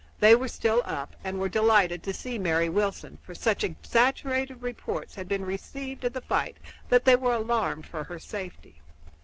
They were still up, and were delighted to see Mary Wilson, for such exaggerated reports had been received of the fight that they were alarmed for her safety.